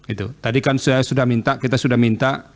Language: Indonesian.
itu tadi kan saya sudah minta kita sudah minta